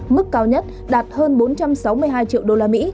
mức cao nhất đạt hơn bốn trăm sáu mươi hai triệu usd